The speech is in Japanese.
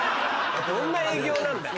どんな営業なんだよ。